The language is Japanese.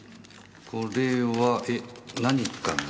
これはえ何かな？